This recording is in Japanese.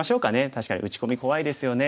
確かに打ち込み怖いですよね。